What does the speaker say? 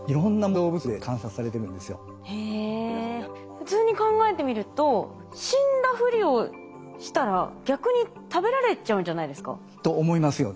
普通に考えてみると死んだふりをしたら逆に食べられちゃうんじゃないですか？と思いますよね。